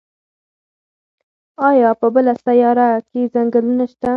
ایا په بله سیاره کې ځنګلونه شته؟